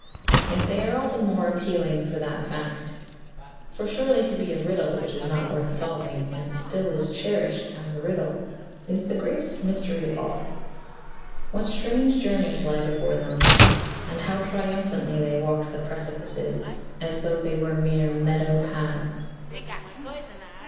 Yet they are all the more appealing for that fact. For surely to be a riddle which is not worth solving, and still is cherished as a riddle, is the greatest mystery of all. What strange journeys lie before them, and how triumphantly they walk the precipices as though they were mere meadow paths.